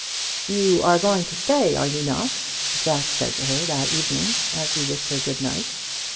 "You are going to stay, are you not?" Jack said to her that evening, as he wished her good night.